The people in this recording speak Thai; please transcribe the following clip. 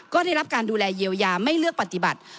ก็ได้รับการดูแลเยียวยาไม่เลือกปฏิบัติ